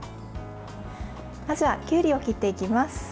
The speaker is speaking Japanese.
まずはきゅうりを切っていきます。